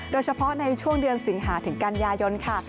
โดยเฉพาะในช่วงเดือนสิงหาถึงกันยายนค่ะ